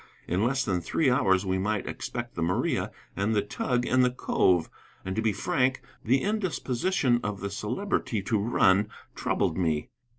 In less than three hours we might expect the Maria and the tug in the cove. And, to be frank, the indisposition of the Celebrity to run troubled me.